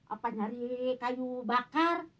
apa nyari kayu bakar